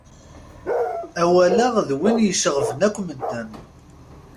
Awal-a d win iceɣben akk medden.